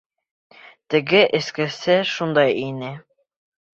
Теге эскесе шундай ине.